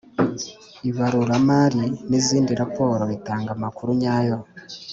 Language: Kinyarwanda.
Ibaruramari n izindi raporo bitanga amakuru nyayo